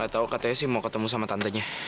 tau katanya sih mau ketemu sama tantenya